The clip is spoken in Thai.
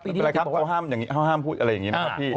เป็นไรครับเขาห้ามพูดอะไรอย่างนี้นะครับพี่